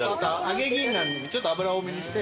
揚げ銀杏ちょっと油多めにして。